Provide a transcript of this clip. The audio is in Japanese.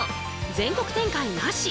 全国展開なし